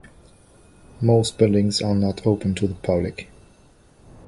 Most buildings are not open to the public.